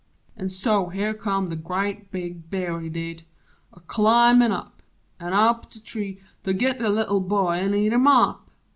An' so here come the grea' big Bear, he did, A climbin' up an' up the tree, to git The Little Boy an' eat him up!